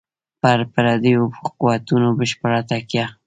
پر پردیو قوتونو بشپړه تکیه.